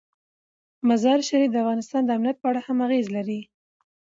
مزارشریف د افغانستان د امنیت په اړه هم اغېز لري.